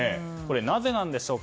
なぜなんでしょうか。